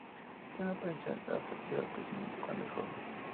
Tiene una apariencia atractiva, especialmente cuando es joven.